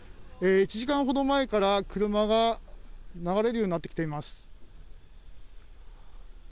１時間ほど前から車が流れるようになってきています。